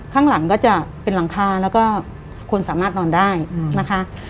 ข้างหลังก็จะเป็นหลังคาแล้วก็คนสามารถนอนได้นะคะ